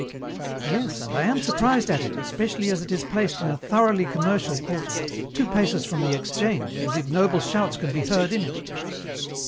" Yes, and I am surprised at it, especially as it is placed in a thoroughly commercial quarter, two paces from the Exchange, whose ignoble shouts can be heard in it."